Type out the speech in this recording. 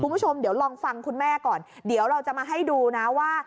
คุณผู้ชมเดี๋ยวลองฟังคุณแม่ก่อนเดี๋ยวเราจะมาให้ดูนะว่า